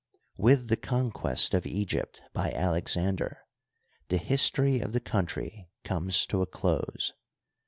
With the conquest of Egypt by Alexander the history of the country comes to a close.